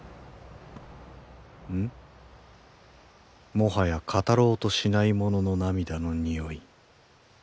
もはや語ろうとしない者の涙の匂い。